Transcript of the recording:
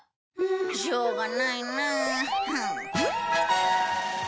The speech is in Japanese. しょうがないなあ。